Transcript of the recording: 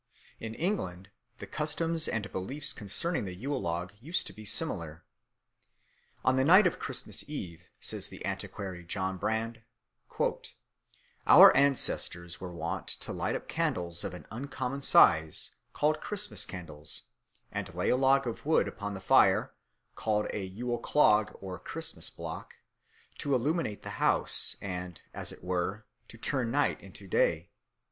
In England the customs and beliefs concerning the Yule log used to be similar. On the night of Christmas Eve, says the antiquary John Brand, "our ancestors were wont to light up candles of an uncommon size, called Christmas Candles, and lay a log of wood upon the fire, called a Yule clog or Christmas block, to illuminate the house, and, as it were, to turn night into day."